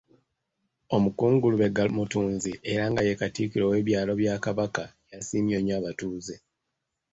Omukungu Lubega Mutunzi era nga ye Katikkiro w’ebyalo bya Kabaka yasiimye nnyo abatuuze.